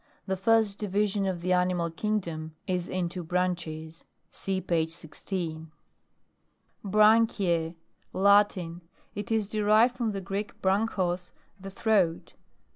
The first division of the animal king dom is into BRANCHES. (See p. 1 6.) BRANCHIAE Latin. It is derived from the Greek, bragchos, the throat.